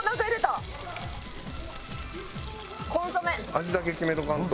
味だけ決めとかんと。